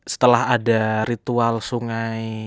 setelah ada ritual sungai